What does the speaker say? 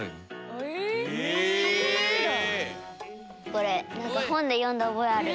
これ何か本で読んだ覚えある。